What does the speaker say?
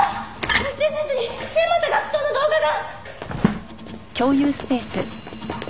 ＳＮＳに末政学長の動画が。